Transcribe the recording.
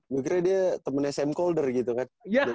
gue kira dia temen sm colder gitu kan